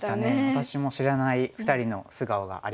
私も知らない２人の素顔がありました。